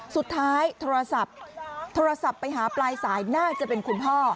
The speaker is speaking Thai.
โทรศัพท์โทรศัพท์ไปหาปลายสายน่าจะเป็นคุณพ่อ